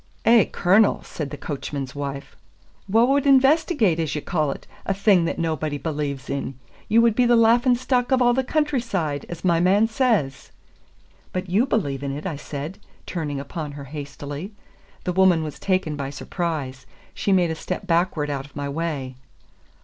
"Eh, Cornel," said the coachman's wife, "wha would investigate, as ye call it, a thing that nobody believes in? Ye would be the laughin' stock of a' the country side, as my man says." "But you believe in it," I said, turning upon her hastily. The woman was taken by surprise. She made a step backward out of my way.